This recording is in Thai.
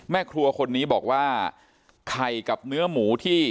แม่ครัวคนนี้บอกว่าไข่กับเนื้อหมูที่